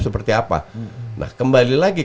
seperti apa nah kembali lagi